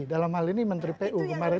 dalam hal ini menteri pu kemarin